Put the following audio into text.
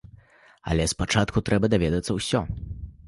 Але спачатку трэба даведацца ўсё.